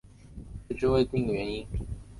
迟迟未定的原因